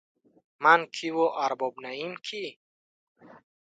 Ман киву Арбоб Наим кӣ?